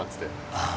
ああ。